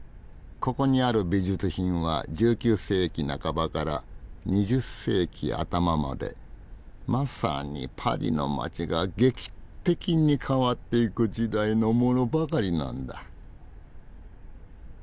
ここにある美術品は１９世紀半ばから２０世紀頭までまさにパリの街が劇的に変わっていく時代のものばかりなんだ。